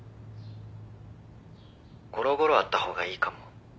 ゴロゴロあった方がいいかも。